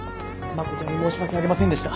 誠に申し訳ありませんでした。